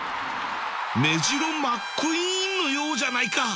メジロマックイーンのようじゃないか！